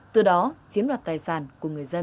từ đó chiếm đoạt tài sản của người dân